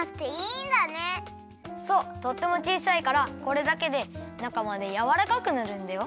そうとってもちいさいからこれだけでなかまでやわらかくなるんだよ。